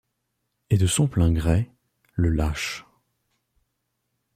Et de son plein gré, le lâche!